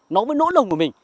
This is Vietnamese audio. nó với nỗi lòng của mình